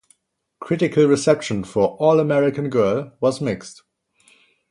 Critical reception for "All-American Girl" was mixed.